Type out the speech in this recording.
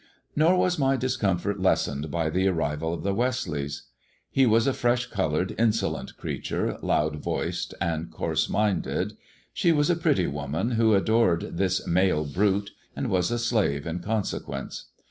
Nor was my discomfort lessened by the arrival of the Westleighs. He was a fresh coloured, insolent creature, loud voiced and coarse minded; she a pretty woman who adored this male brute, and was a slave in consequence.